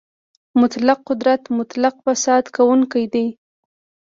مطلق قدرت مطلق فاسد کوونکی دی.